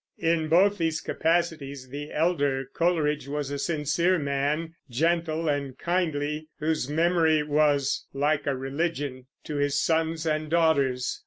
In both these capacities the elder Coleridge was a sincere man, gentle and kindly, whose memory was "like a religion" to his sons and daughters.